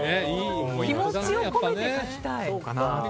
気持ちを込めて書きたいと。